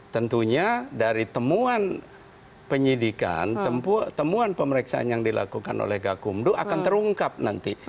tentunya dari temuan penyidikan temuan pemeriksaan yang dilakukan oleh gakumdu akan terungkap nanti